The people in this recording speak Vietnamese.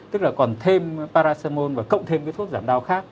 tức là còn thêm paracemol và cộng thêm cái thuốc giảm đau khác